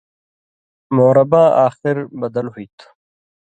معرباں آخر بدل ہُوئ تھو